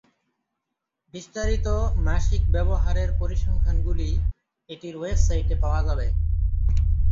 বিস্তারিত মাসিক ব্যবহারের পরিসংখ্যানগুলি এটির ওয়েবসাইটে পাওয়া যাবে।